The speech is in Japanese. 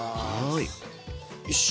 はい。